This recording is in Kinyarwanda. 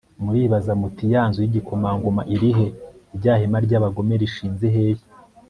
muribaza muti 'ya nzu y'igikomangoma iri he? rya hema ry'abagome rishinze hehe